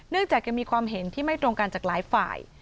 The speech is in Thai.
จากยังมีความเห็นที่ไม่ตรงกันจากหลายฝ่าย